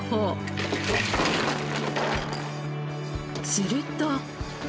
すると。